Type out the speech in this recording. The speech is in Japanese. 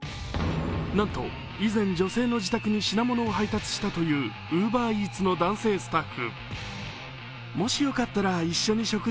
なんと以前女性の自宅に品物を配達したというＵｂｅｒＥａｔｓの男性スタッフ。